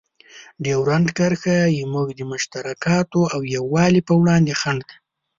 ډیورنډ کرښه زموږ د مشترکاتو او یووالي په وړاندې خنډ ده.